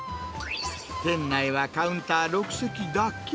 店内はカウンター６席だけ。